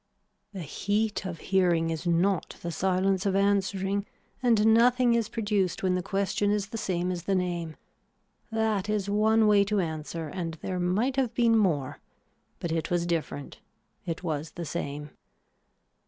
The heat of hearing is not the silence of answering and nothing is produced when the question is the same as the name. That is one way to answer and there might have been more but it was different, it was the same.